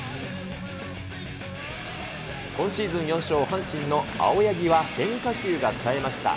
今シーズン４勝、阪神の青柳は変化球がさえました。